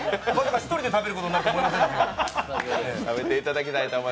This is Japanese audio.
一人で食べることになると思いませんでした。